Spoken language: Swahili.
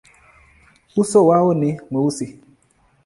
Uso wao ni mweusi.